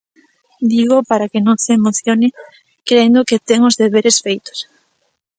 Dígoo para que non se emocione crendo que ten os deberes feitos.